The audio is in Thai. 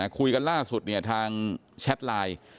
คุยกันล่าสุดทางแชทไลน์